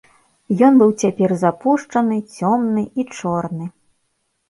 Ён быў цяпер запушчаны, цёмны і чорны.